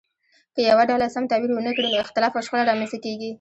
که یوه ډله سم تعبیر ونه کړي نو اختلاف او شخړه رامنځته کیږي.